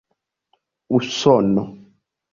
usono